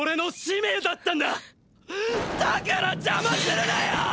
だから邪魔するなよおおお！！